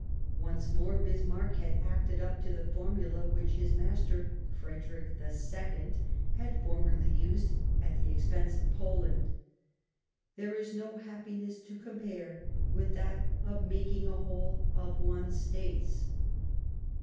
Once more Bismarck had acted up to the formula which his master, Frederick II, had formerly used at the expense of Poland :" There is no happiness to compare with that of making a whole of one's States."